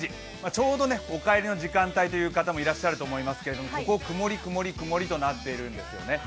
ちょうどお帰りの時間帯という方もいらっしゃると思いますが、曇り、曇り、曇りとなっているんですね。